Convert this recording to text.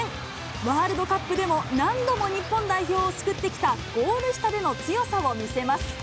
ワールドカップでも何度も日本代表を救ってきたゴール下での強さを見せます。